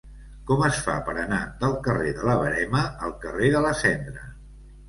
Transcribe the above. Com es fa per anar del carrer de la Verema al carrer de la Cendra?